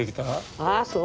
ああそう。